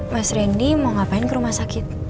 mas randy mau ngapain ke rumah sakit